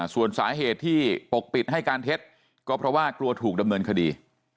ส่วนสาเหตุที่ปกปิดให้การเท็จก็เพราะว่ากลัวถูกดำเนินคดี